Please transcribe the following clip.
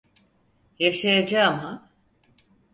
Yaşayacağım ha?